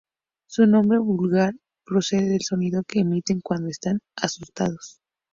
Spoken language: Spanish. Su nombre vulgar procede del sonido que emiten cuando están asustados.